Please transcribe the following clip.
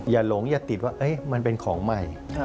หลงอย่าติดว่ามันเป็นของใหม่